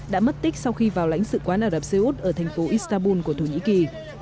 đã mất tích sau khi vào lãnh sự quán ả rập xê út ở thành phố istanbul của thổ nhĩ kỳ